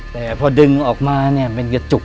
แต่พอดึงออกมาเนี่ยมันกระจุก